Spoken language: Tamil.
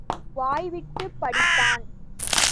வாய் விட்டுப் படித்தான்.